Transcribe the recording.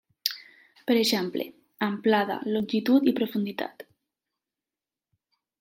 Per exemple, amplada, longitud i profunditat.